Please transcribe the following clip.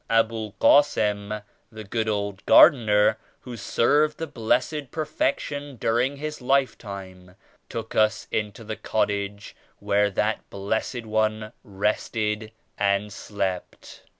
Aboul Ghassim, the good old gardener who served the Blessed Per fection during His life time, took us into the cottage where that Blessed One rested and slept.